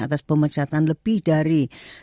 atas pemecatan lebih dari